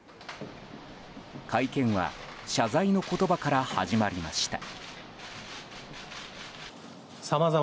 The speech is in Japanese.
会見は謝罪の言葉から始まりました。